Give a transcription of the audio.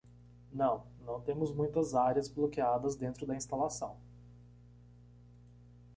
Não, não temos muitas áreas bloqueadas dentro da instalação.